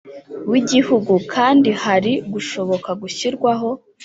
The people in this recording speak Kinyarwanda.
w igihugu kandi hari gushoboka gushyirwaho